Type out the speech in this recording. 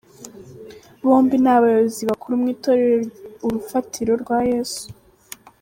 Bombi ni abayobozi bakuru mu itorero Urufatiro rwa Yesu.